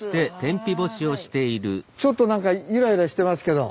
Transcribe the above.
ちょっと何かゆらゆらしてますけど。